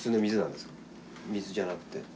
水じゃなくて。